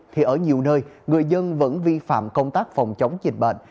thì ở nhiều nơi người dân vẫn vi phạm công tác phòng chống dịch bệnh